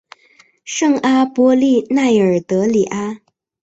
圣阿波利奈尔德里阿。